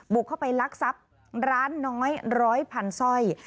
บุกเข้าไปลักทรัพย์ร้านน้อย๑๐๐๐๐๐สร้อย